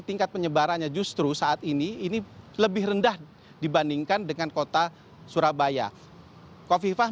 tingkat penyebarannya justru saat ini ini lebih rendah dibandingkan dengan kota surabaya kofifah